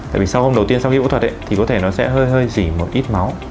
tại vì sau hôm đầu tiên sau khi phẫu thuật ấy thì có thể nó sẽ hơi hơi dỉ một ít máu